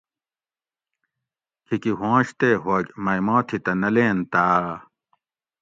کِھیکی ہُوانش تے ہوگ مئی ما تھی تہ نہ لینتاۤ